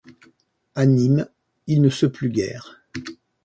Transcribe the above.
A Nîmes, il ne se plut guère.